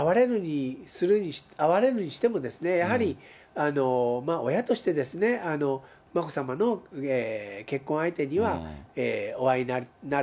会われるにしてもですね、やはり、親として、眞子さまの結婚相手にはお会いになる。